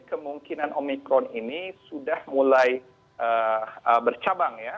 kemungkinan omikron ini sudah mulai bercabang ya